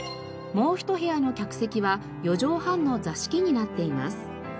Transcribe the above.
もう一部屋の客席は４畳半の座敷になっています。